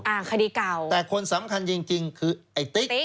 อ่าคดีเก่าแต่คนสำคัญจริงคือไอ้ติ๊ก